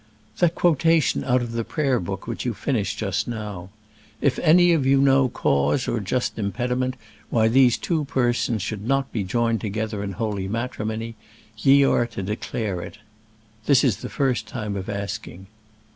"The quotation out of the Prayer Book which you finished just now. 'If any of you know cause or just impediment why these two persons should not be joined together in holy matrimony, ye are to declare it. This is the first time of asking.'